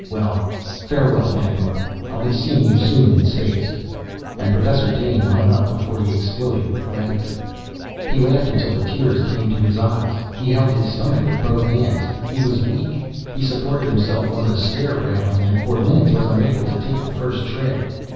Well, farewell, Thandor! I'll be seeing you soon in space!" And Professor Dane hung up before he exploded with laughter. He laughed until the tears came to his eyes. He held his stomach with both hands. He was weak. He supported himself on the stair railing and for minutes was unable to take the first tread.